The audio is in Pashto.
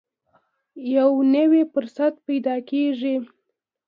یو نوی فرصت پیدا کېږي.